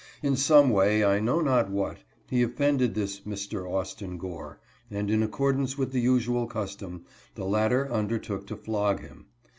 In some way, I know not what, he offended this Mr. Austin Gore, and, in accord ance with the usual custom, the latter undertook to flog him.